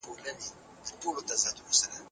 اوس به له خزان سره راغلی باغوان څه کوي